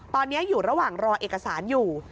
ตอนนี้อยู่ระหว่างรอเอกสารอยู่